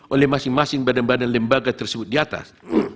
oleh masing masing badan badan lembaga tersebut di atas